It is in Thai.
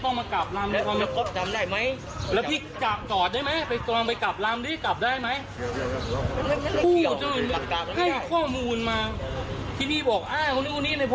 พอมาเขาจะตบหน้าพี่ก่อนนะเพราะพี่ไปอ้างคนนู้นคนนี้คนนู้นอ่ะ